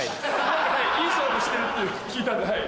いい勝負してるって聞いたんで。